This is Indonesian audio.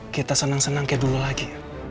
kita seneng seneng kayak dulu lagi